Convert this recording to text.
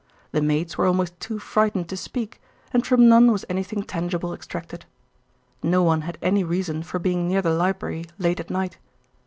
The maids were almost too frightened to speak, and from none was anything tangible extracted. No one had any reason for being near the library late at night.